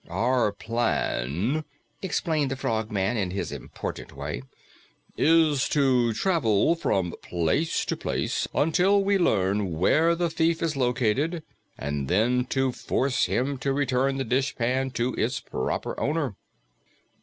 "Our plan," explained the Frogman in his important way, "is to travel from place to place until we learn where the thief is located and then to force him to return the dishpan to its proper owner."